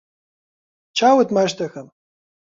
چاوت ماچ دەکەم.